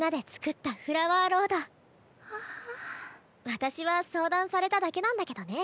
私は相談されただけなんだけどね。